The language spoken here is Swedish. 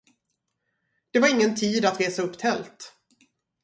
Det var ingen tid att resa upp tält.